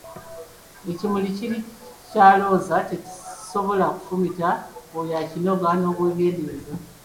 Ekimuli kiri ekya Looza tekisobola kufumita oyo akinoga n'obwegendereza !